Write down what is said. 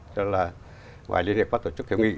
nên là ngoài liên hệ các tổ chức hữu nghị